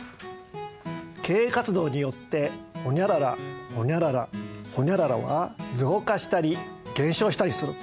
経営活動によってほにゃららほにゃららほにゃららは増加したり減少したりする。